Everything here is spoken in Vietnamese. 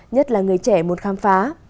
nhất là người trẻ muốn khám phá